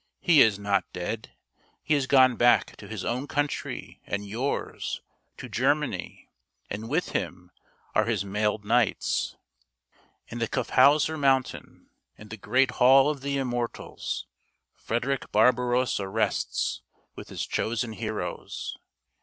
" He is not dead. He has gone back to his own country and yours — to Germany ; and with him are his mailed knights. In the Kyffhauser Mountain, in the great hall of the immortals, Fred erick Barbarossa rests with his chosen heroes.